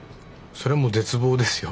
そりゃもう絶望ですよ。